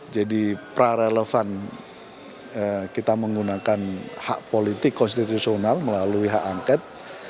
jadi pra relevan kita menggunakan hak politik konstitusional melalui hak angket